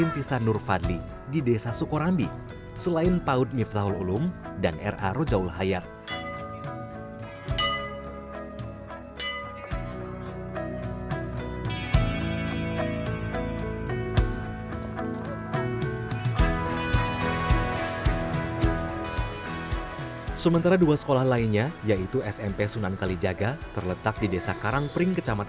pak fadli saya melihat sarana dan prasarana di sekolah ini sangat minim